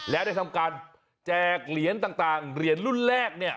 แล้วได้ทำการแจกเหรียญต่างเหรียญรุ่นแรกเนี่ย